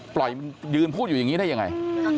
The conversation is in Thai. ยืนพูดอยู่อย่างนี้ได้ยังไง